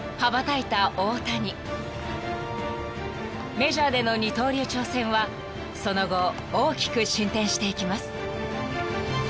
［メジャーでの二刀流挑戦はその後大きく進展していきます］